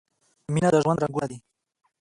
مینه د ژوند رنګونه دي.